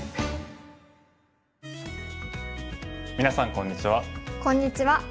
皆さんこんにちは。